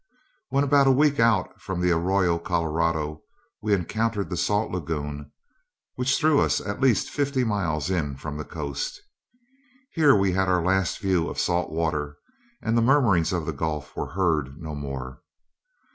When about a week out from the Arroyo Colorado, we encountered the Salt Lagoon, which threw us at least fifty miles in from the coast. Here we had our last view of salt water, and the murmurings of the Gulf were heard no more.